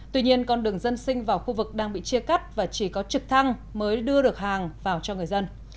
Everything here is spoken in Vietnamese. tuy nhiên con đường dân sinh vào khu vực đang bị chia cắt và chỉ có trực thăng mới đưa được hàng vào cho người dân